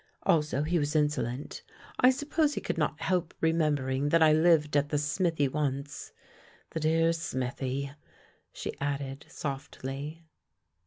Also he was insolent. I suppose he could not help remembering that I lived at the smithy once — the dear smithy! " she added softly.